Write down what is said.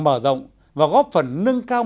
mở rộng và góp phần nâng cao